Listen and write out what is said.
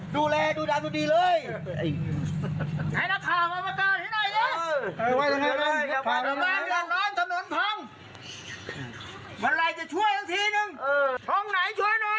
ไทยรัฐช่วยด้วย